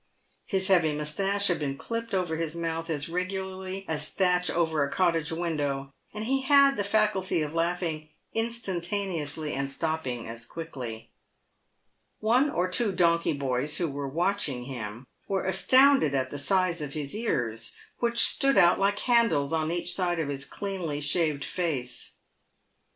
His heavy moustache had been clipped over his mouth as regularly as thatch over a cottage window, and he had the faculty of laughing instantaneously and stopping as quickly. One or two 172 PAVED WITH GOLD. donkey boys, who were watching him, were astounded at the size of his ears, which stood out like handles on each side of his cleanly shaved face.